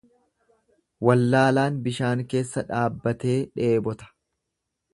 Wallaalaan bishaan keessa dhaabbatee dheebota.